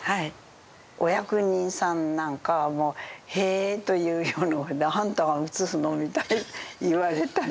お役人さんなんかはもう「へえ」というよう「あんたが写すの」みたいに言われたりしましたしね。